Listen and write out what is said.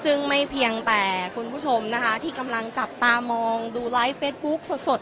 ซึ่งไม่เพียงแต่คุณผู้ชมนะคะที่กำลังจับตามองดูไลฟ์เฟสบุ๊กสด